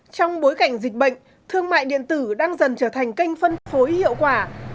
trong bối cảnh dịch bệnh thương mại điện tử đang dần trở thành kênh phân phối hiệu quả